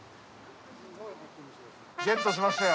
ゲットしましたよ。